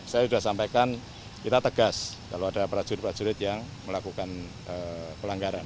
saya sudah sampaikan kita tegas kalau ada prajurit prajurit yang melakukan pelanggaran